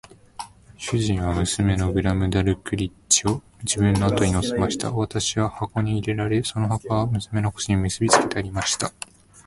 主人は娘のグラムダルクリッチを自分の後に乗せました。私は箱に入れられ、その箱は娘の腰に結びつけてありました。